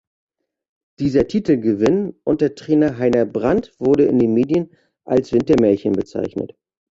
Dieser Titelgewinn unter Trainer Heiner Brand wurde in den Medien als „Wintermärchen“ bezeichnet.